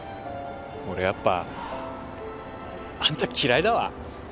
俺やっぱあんた嫌いだわ。